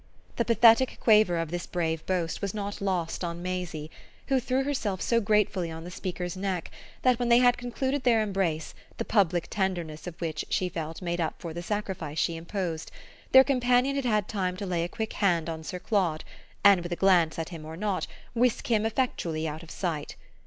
The pathetic quaver of this brave boast was not lost on Maisie, who threw herself so gratefully on the speaker's neck that, when they had concluded their embrace, the public tenderness of which, she felt, made up for the sacrifice she imposed, their companion had had time to lay a quick hand on Sir Claude and, with a glance at him or not, whisk him effectually out of sight.